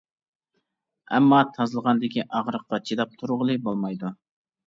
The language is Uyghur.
ئەمما تازىلىغاندىكى ئاغرىققا چىداپ تۇرغىلى بولمايدۇ.